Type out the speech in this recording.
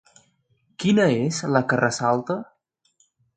Quina és la que ressalta?